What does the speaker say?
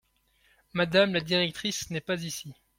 Madame la directrice n’est pas ici.